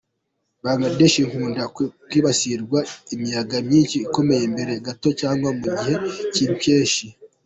Bangladesh ikunda kwibasirwa n’imiyaga myinshi ikomeye mbere gato cyangwa mu gihe cy’impeshyi.